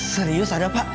serius ada pak